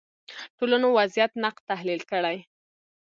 ټولنو وضعیت نقد تحلیل کړي